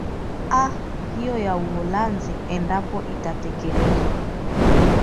a hiyo ya uholanzi endapo itatekelezwa